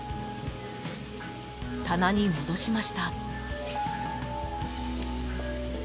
［棚に戻しました］